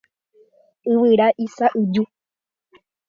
Yvyra isa'yju.